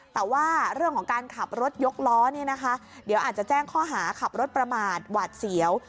แต่ว่าเรื่องของการขับรถยกล้อเนี่ยนะคะเดี๋ยวอาจจะแจ้งข้อหาขับรถประมาทหวาดเสียว